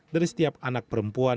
dari setiap anak perempuan